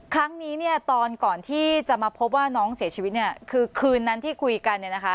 ครั้งนี้เนี่ยตอนก่อนที่จะมาพบว่าน้องเสียชีวิตเนี่ยคือคืนนั้นที่คุยกันเนี่ยนะคะ